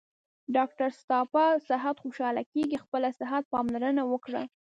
ډاکټر ستاپه صحت خوشحاله کیږي خپل صحته پاملرنه وکړه